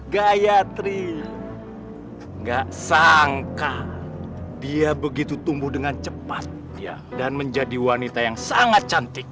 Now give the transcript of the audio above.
gayatri gak sangka dia begitu tumbuh dengan cepat dan menjadi wanita yang sangat cantik